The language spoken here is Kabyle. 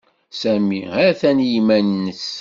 Sami a-t-an i yiman-nnes.